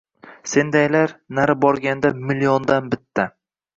sendaylar, nari borganda, milliondan bitta.